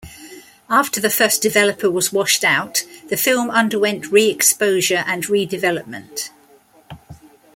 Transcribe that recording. After the first developer was washed out, the film underwent re-exposure and redevelopment.